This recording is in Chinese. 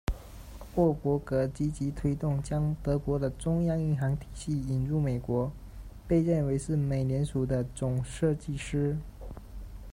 沃伯格积极推动将德国的中央银行体系引入美国，被认为是美联储的“总设计师”。